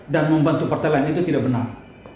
dan membantu partai lain itu tidak benar